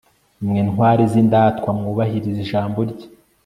mwe ntwari z'indatwa, mwubahiriza ijambo rye